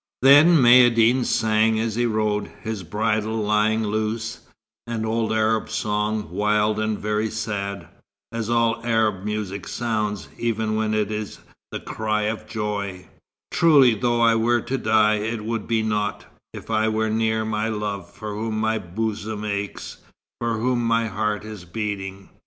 '" Then Maïeddine sang as he rode, his bridle lying loose, an old Arab song, wild and very sad, as all Arab music sounds, even when it is the cry of joy: "Truly, though I were to die, it would be naught, If I were near my love, for whom my bosom aches, For whom my heart is beating.